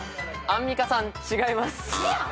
アンミカさん違います。